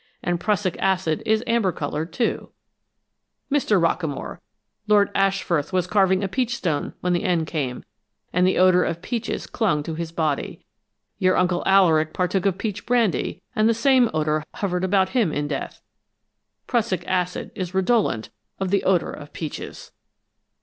And prussic acid is amber colored, too, Mr. Rockamore! Lord Ashfrith was carving a peach stone when the end came, and the odor of peaches clung to his body. Your Uncle Alaric partook of peach brandy, and the same odor hovered about him in death. Prussic acid is redolent of the odor of peaches!"